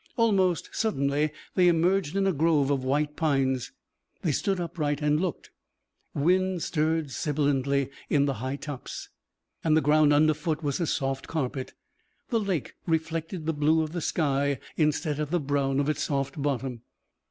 Almost suddenly they emerged in a grove of white pines. They stood upright and looked: wind stirred sibilantly in the high tops, and the ground underfoot was a soft carpet; the lake reflected the blue of the sky instead of the brown of its soft bottom.